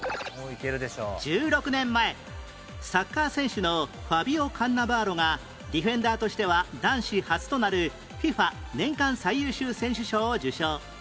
１６年前サッカー選手のファビオ・カンナバーロがディフェンダーとしては男子初となる ＦＩＦＡ 年間最優秀選手賞を受賞